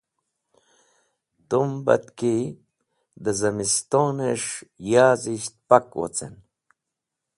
Tum batk ki dẽ zemistones̃h yazisht pak wocen.